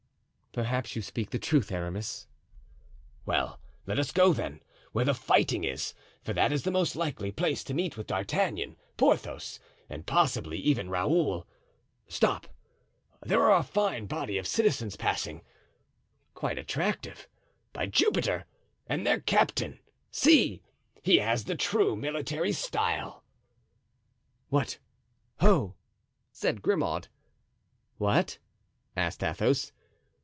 "Perhaps you speak the truth, Aramis." "Well, let us go, then, where the fighting is, for that is the most likely place to meet with D'Artagnan, Porthos, and possibly even Raoul. Stop, there are a fine body of citizens passing; quite attractive, by Jupiter! and their captain—see! he has the true military style." "What, ho!" said Grimaud. "What?" asked Athos.